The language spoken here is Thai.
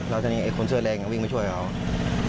แล้วทีนี้ไอ้คนเสื้อแดงก็วิ่งไปช่วยเขา